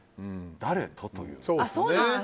誰とというね。